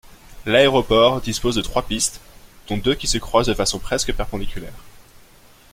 L'aéroport dispose de trois pistes, dont deux qui se croisent de façon presque perpendiculaire.